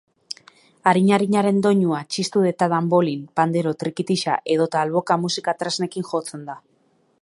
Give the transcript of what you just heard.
Arin-arinaren doinua txistu eta danbolin, pandero, trikitixa edota alboka musika-tresnekin jotzen da.